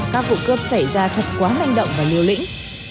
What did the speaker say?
các vụ cướp xảy ra thật quá năng động và lưu lĩnh